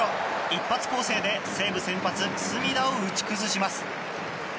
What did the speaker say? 一発攻勢で西武先発、隅田を打ち崩します。